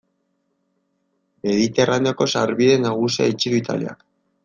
Mediterraneoko sarbide nagusia itxi du Italiak.